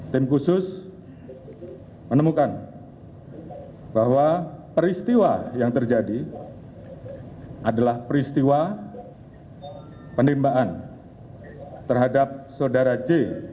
tim khusus menemukan bahwa peristiwa yang terjadi adalah peristiwa penembakan terhadap saudara j